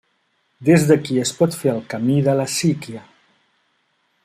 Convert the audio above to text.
Des d'aquí es pot fer el camí de la síquia.